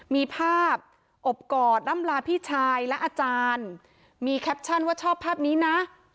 มีภาพอบกอดล่ำลาพี่ชายและอาจารย์มีแคปชั่นว่าชอบภาพนี้นะ